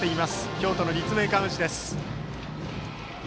京都の立命館宇治です。